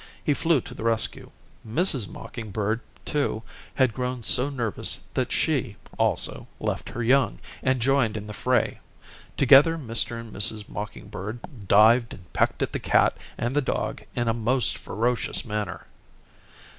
He flew to the rescue. Mrs. Mocking Bird, too, had grown so nervous that she, also, left her young, and joined in the fray. Together Mr. and Mrs. Mocking Bird dived and pecked at the cat and the dog in a most ferocious manner.